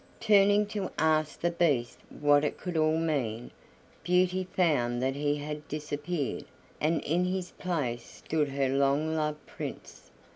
Turning to ask the Beast what it could all mean, Beauty found that he had disappeared, and in his place stood her long loved Prince!